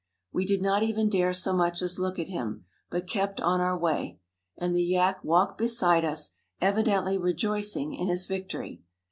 We did not even dare so much as look at him, but kept on our way, and the yak walked beside us, evidently rejoicing in his victory.